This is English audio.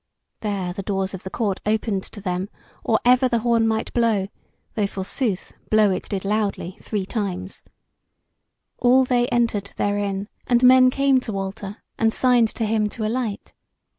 There the doors of the court opened to them or ever the horn might blow, though, forsooth, blow it did loudly three times; all they entered therein, and men came to Walter and signed to him to alight.